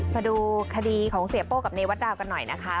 มาดูคดีของเสียโป้กับเนวัตดาวกันหน่อยนะคะ